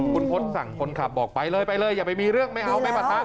คุณพศสั่งคนขับบอกไปเลยไปเลยอย่าไปมีเรื่องไม่เอาไปปะทะ